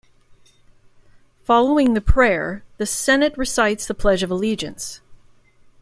Following the prayer, the Senate recites the Pledge of Allegiance.